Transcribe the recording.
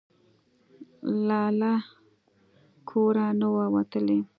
لا له کوره نه وو وتلي.